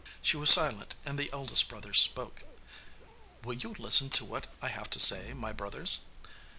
She was silent and the eldest brother spoke. 'Will you listen to what I have to say, my brothers?